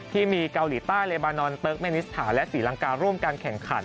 ที่มีเกาหลีใต้เลบานอนเติร์กเมนิสถานและศรีลังการ่วมการแข่งขัน